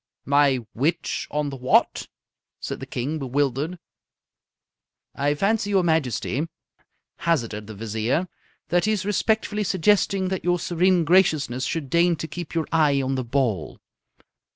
"My which on the what?" said the King, bewildered. "I fancy, your Majesty," hazarded the Vizier, "that he is respectfully suggesting that your serene graciousness should deign to keep your eye on the ball."